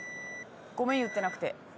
ごめん言ってなくて。